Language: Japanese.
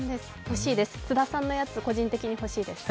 津田さんのやつ、個人的に欲しいです。